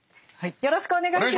よろしくお願いします。